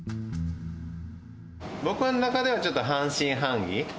僕の中では、ちょっと半信半疑。